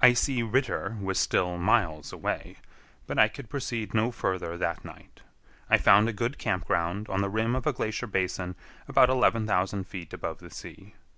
Icy Ritter was still miles away, but I could proceed no farther that night. I found a good campground on the rim of a glacier basin about 11,000 feet above the sea.